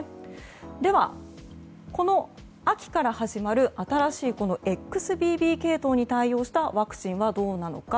では、この秋から始まる新しいＸＢＢ系統に対応したワクチンはどうなのか。